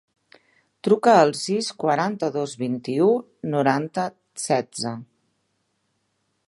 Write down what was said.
Truca al sis, quaranta-dos, vint-i-u, noranta, setze.